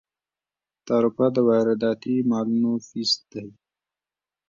تعرفه د وارداتي مالونو فیس دی.